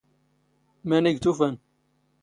ⵎⴰⵏⵉ ⴳ ⵜ ⵓⴼⴰⵏ?